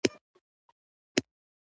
هره ټولنه کې واړه او لویان هم وي.